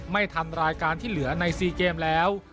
ไม่ทันรายการที่เหลือใน๔เกมแล้ว